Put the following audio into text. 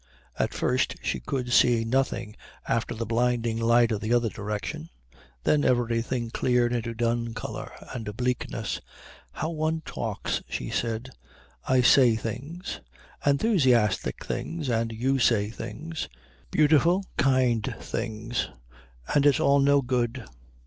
At first she could see nothing after the blinding light of the other direction, then everything cleared into dun colour and bleakness. "How one talks," she said. "I say things enthusiastic things, and you say things beautiful kind things, and it's all no good."